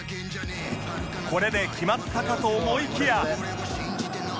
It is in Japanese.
これで決まったかと思いきや